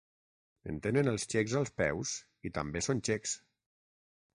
En tenen els txecs als peus i també són xecs.